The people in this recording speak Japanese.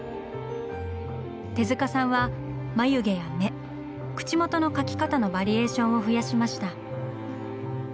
手さんは眉毛や目口元の描き方のバリエーションを増やしました。